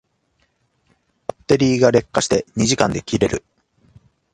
バッテリーが劣化して二時間で切れる